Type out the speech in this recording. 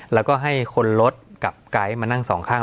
แล้วก็ให้คนรถกับไกด์มานั่งสองข้าง